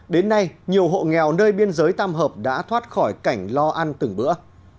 đến nay nhiều hộ nghèo nơi biên giới tam hợp đã thoát khỏi cảnh lo ăn từng bữa